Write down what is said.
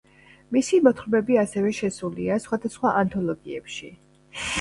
მისი მოთხრობები ასევე შესულია სხვადასხვა ანთოლოგიებში.